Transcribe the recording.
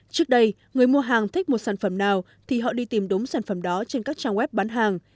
trước đây người mua hàng thích một sản phẩm nào thì họ đi tìm đúng sản phẩm đó trên các trang web bán hàng